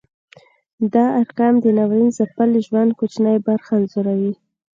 دا ارقام د ناورین ځپلي ژوند کوچنۍ برخه انځوروي.